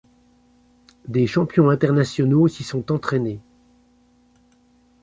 Des champions internationaux s’y sont entraînés.